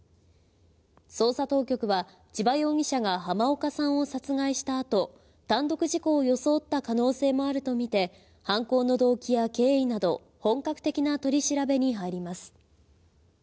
捜査当局は、千葉容疑者が濱岡さんを殺害したあと、単独事故を装った可能性もあると見て、犯行の動機や経緯など、本格的な取り調べに入ります。